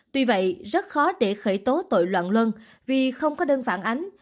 tuy vậy rất khó để khởi tố tội loạn luân vì không có đơn phản ánh